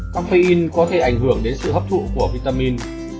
cà phê in có thể ảnh hưởng đến sự hấp thụ của vitamin